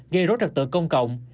gây rốt trật tựa công cộng